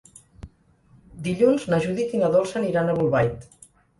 Dilluns na Judit i na Dolça aniran a Bolbait.